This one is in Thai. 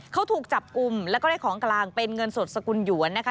เขาถูกจับกลุ่มแล้วก็ได้ของกลางเป็นเงินสดสกุลหยวนนะคะ